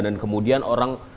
dan kemudian orang